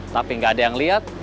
tapi nggak ada yang lihat